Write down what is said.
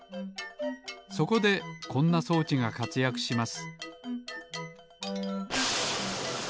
そこでこんなそうちがかつやくします